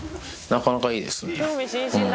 なかなかいいですね。